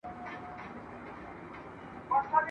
دواړي خویندي وې رنګیني ښایستې وې !.